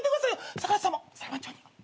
サカタさんも裁判長に。